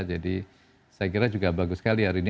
jadi saya kira juga bagus sekali hari ini